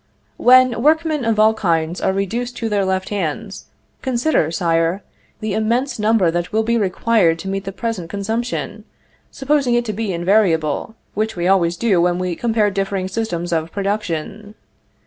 When workmen of all kinds are reduced to their left hands, consider, Sire, the immense number that will be required to meet the present consumption, supposing it to be invariable, which we always do when we compare differing systems of production.